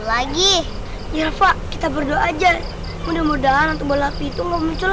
lagi ya pak kita berdoa aja mudah mudahan